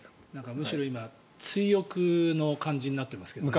むしろ今追憶の感じになってますけどね。